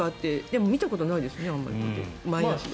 でも見たことないですねあんまり。